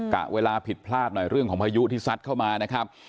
กะเวลาผิดพลาดหน่อยเรื่องของพายุที่ซัดเข้ามานะครับ